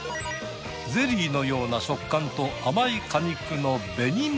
ゼリーのような食感と甘い果肉の紅ま